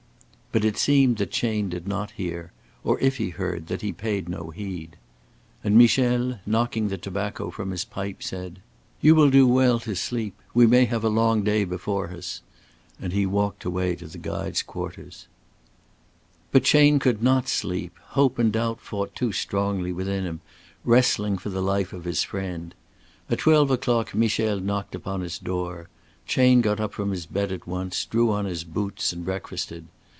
But it seemed that Chayne did not hear, or, if he heard, that he paid no heed. And Michel, knocking the tobacco from his pipe, said: "You will do well to sleep. We may have a long day before us"; and he walked away to the guides' quarters. But Chayne could not sleep; hope and doubt fought too strongly within him, wrestling for the life of his friend. At twelve o'clock Michel knocked upon his door. Chayne got up from his bed at once, drew on his boots, and breakfasted.